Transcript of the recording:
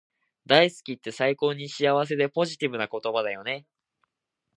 大好きって最高に幸せでポジティブな言葉だよね